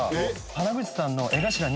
原口さんの。